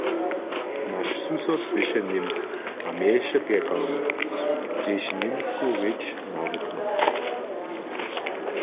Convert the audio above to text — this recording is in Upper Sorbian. Naš susod běše Němc a měješe pjekarnju, hdźež němsku rěč nawuknych.